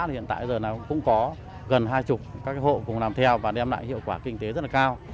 hiện tại giờ cũng có gần hai mươi các hộ cùng làm theo và đem lại hiệu quả kinh tế rất là cao